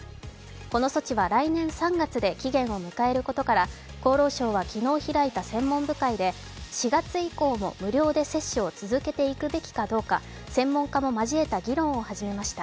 この措置は来年３月で期限を迎えることから厚労省は昨日開いた専門部会で４月以降も無料で接種を続けていくべきかどうか、専門家も交えた議論を始めました。